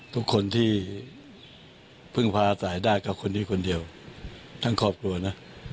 ทุกคนที่เพิ่งพาอาศัยได้กับคนนี้คนเดียวทั้งครอบครัวนะ